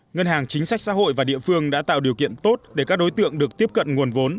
ngân hàng chính sách xã hội và địa phương đã tạo điều kiện tốt để các đối tượng được tiếp cận nguồn vốn